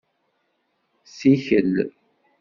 Sikel.